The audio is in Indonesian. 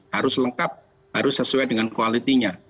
harus lengkap harus sesuai dengan quality nya